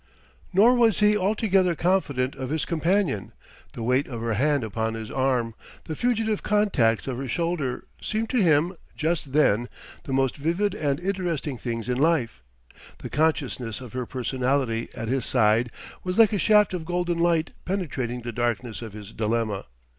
Nor was he altogether confident of his companion. The weight of her hand upon his arm, the fugitive contacts of her shoulder, seemed to him, just then, the most vivid and interesting things in life; the consciousness of her personality at his side was like a shaft of golden light penetrating the darkness of his dilemma.